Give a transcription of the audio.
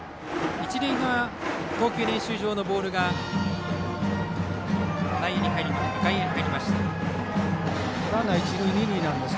一塁側の投球練習場のボールが外野に入りました。